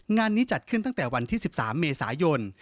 งานนี้จัดขึ้นตั้งแต่วันที่๑๓เมษายน